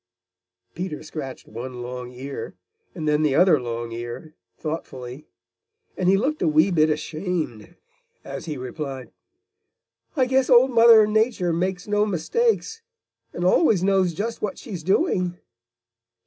Peter scratched one long ear and then the other long ear thoughtfully, and he looked a wee bit ashamed as he replied: "I guess Old Mother Nature makes no mistakes and always knows just what she is doing."